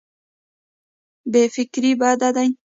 بې فکري بد دی.